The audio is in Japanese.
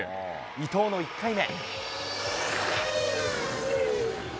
伊藤の１回目。